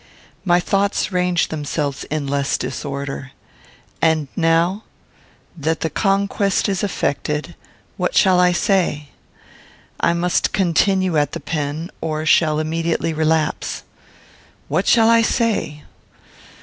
My thoughts range themselves in less disorder. And, now that the conquest is effected, what shall I say? I must continue at the pen, or shall immediately relapse. What shall I say?